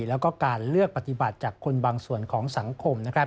แล้วก็การเลือกปฏิบัติจากคนบางส่วนของสังคม